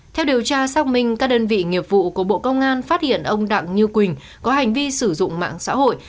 theo điều tra xác minh các đơn vị nghiệp vụ của bộ công an phát hiện ông đặng như quỳnh có hành vi sử dụng mạng xã hội